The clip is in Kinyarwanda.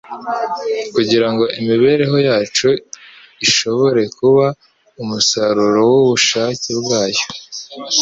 kugira ngo imibereho yacu ishobore kuba umusaruro w’ubushake Bwayo.